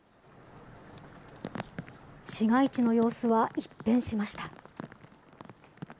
市街地の様子は一変しました。